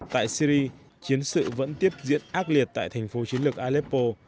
tại syri chiến sự vẫn tiếp diễn ác liệt tại thành phố chiến lược aleppo